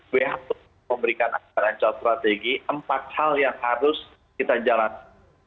who memberikan strategi empat hal yang harus kita jalani